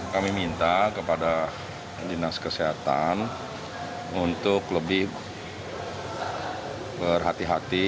kami minta kepada dinas kesehatan untuk lebih berhati hati